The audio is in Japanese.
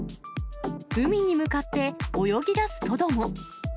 海に向かって泳ぎ出すトドも。